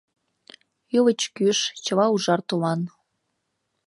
Ӱлыч кӱш — чыла ужар тулан.